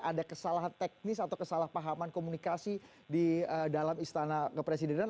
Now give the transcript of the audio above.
ada kesalahan teknis atau kesalahpahaman komunikasi di dalam istana kepresidenan